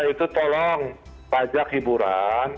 itu tolong pajak hiburan